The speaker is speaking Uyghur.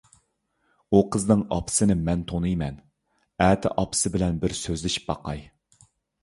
ئۇ قىزنىڭ ئاپىسىنى مەن تونۇيمەن، ئەتە ئاپىسى بىلەن بىر سۆزلىشىپ باقاي.